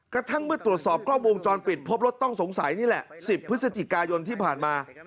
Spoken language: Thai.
กระทั่งเมื่อตรวจสอบกล้องวงจรปิดพบรถต้องสงสัยนี่แหละ๑๐พฤศจิกายนที่ผ่านมา